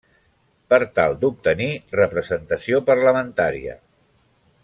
Per tal d'obtenir representació parlamentària.